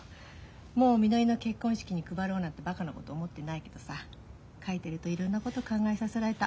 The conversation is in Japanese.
もうみのりの結婚式に配ろうなんてバカなこと思ってないけどさ書いてるといろんなこと考えさせられた。